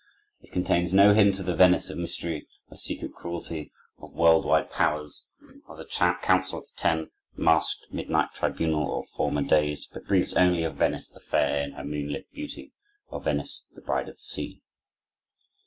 It contains no hint of the Venice of mystery, of secret cruelty, of world wide powers, of the Council of the Ten, that masked midnight tribunal of former days; but breathes only of Venice the fair, in her moonlit beauty—of Venice, "the Bride of the Sea."